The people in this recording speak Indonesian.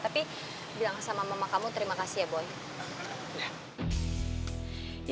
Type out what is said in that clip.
tapi bilang sama mama kamu terima kasih ya boy